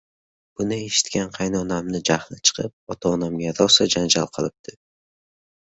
Buni eshitgan qaynonamning jahli chiqib, ota-onamga rosa janjal qilibdi